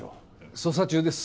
・捜査中です